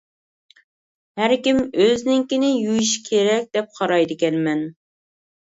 ھەركىم ئۆزىنىڭكىنى يۇيۇشى كېرەك دەپ قارايدىكەنمەن.